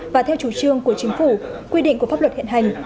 và theo chủ trương của chính phủ quy định của pháp luật hiện hành